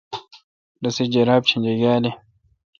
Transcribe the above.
رسے جراب چینجاگال این۔